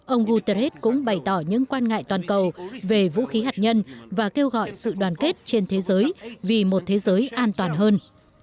ông guterres cũng bày tỏ những quan ngại toàn cầu về vũ khí hạt nhân và kêu gọi sự đoàn kết trên thế giới vì một thế giới an toàn hơn